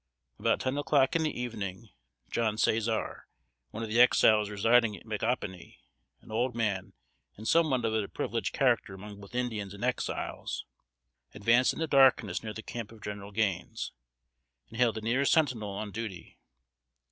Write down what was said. About ten o'clock in the evening, John Cæsar, one of the Exiles residing at Micanopy, an old man and somewhat of a privileged character among both Indians and Exiles, advanced in the darkness near the camp of General Gaines, and hailed the nearest sentinel on duty.